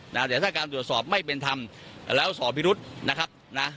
นะแต่ถ้าการตรวจสอบไม่เป็นธรรมแล้วสอบพิรุษนะครับนะ